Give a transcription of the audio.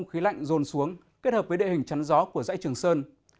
khí lạnh rôn xuống kết hợp với địa hình chắn gió của dãy trường sơn